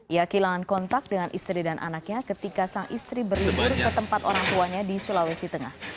ia kehilangan kontak dengan istri dan anaknya ketika sang istri berlibur ke tempat orang tuanya di sulawesi tengah